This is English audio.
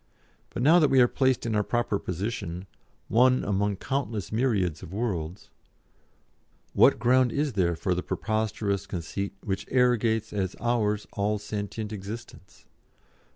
But now that we are placed in our proper position, one among countless myriads of worlds, what ground is there for the preposterous conceit which arrogates as ours all sentient existence?